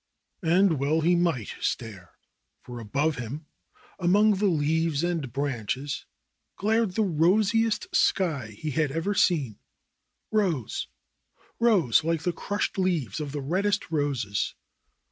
And well he might stare ! For above him, among the leaves and branches, glared the rosiest sky he had ever seen. Eose! rose like the crushed leaves of the reddest roses.